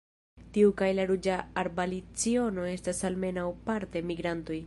Tiu kaj la Ruĝa arbalciono estas almenaŭ parte migrantoj.